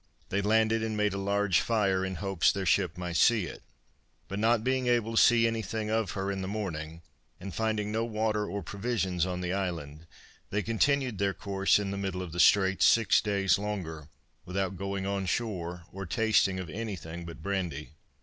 They landed and made a large fire in hopes their ship might see it. But not being able to see any thing of her in the morning and finding no water or provisions on the island, they continued their course in the middle of the straits six days longer, without going on shore or tasting of any thing but brandy.